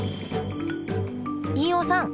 飯尾さん